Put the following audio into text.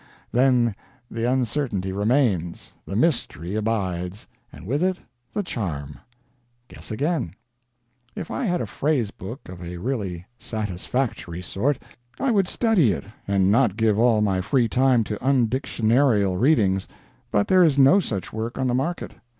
Then the uncertainty remains, the mystery abides, and with it the charm. Guess again. If I had a phrase book of a really satisfactory sort I would study it, and not give all my free time to undictionarial readings, but there is no such work on the market.